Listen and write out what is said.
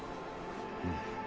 うん。